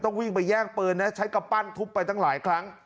วิ่งไปแย่งปืนนะใช้กำปั้นทุบไปตั้งหลายครั้ง